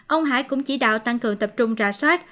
ông hải cũng chỉ đạo tăng cường tập trung rà soát